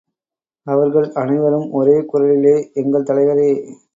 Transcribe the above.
அவர்கள் அனைவரும் ஒரே குரலிலே எங்கள் தலைவரே!